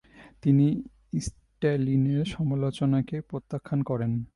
তিনি স্ট্যালিনের সমালোচনাকে প্রত্যাখ্যান করেন।